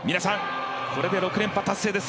これで６連覇達成です